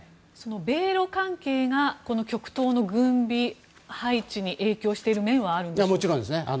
その米ロ関係がこの極東の軍備配置に影響している面はあるんですか？